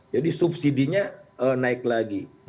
jadi subsidinya naik lagi